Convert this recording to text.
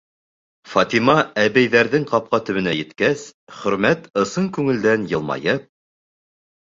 Фатима әбейҙәрҙең ҡапҡа төбөнә еткәс, Хөрмәт, ысын күңелдән йылмайып: